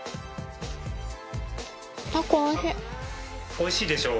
美味しいでしょ？